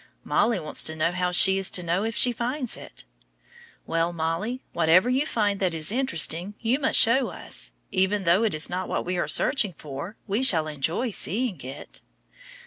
Mollie wants to know how she is to know it if she finds it. Well, Mollie, whatever you find that is interesting you must show us. Even though it is not what we are searching for, we shall enjoy seeing it.